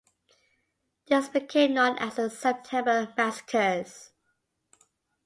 This became known as the September Massacres.